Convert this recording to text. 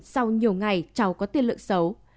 sau nhiều ngày cháu có tiên lượng xấu